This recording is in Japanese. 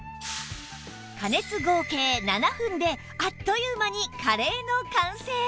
加熱合計７分であっという間にカレーの完成！